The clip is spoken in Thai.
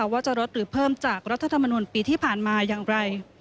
ว่าจะลดหรือเพิ่มจากรัฐธรรมนุนปีที่ผ่านมาอย่างไร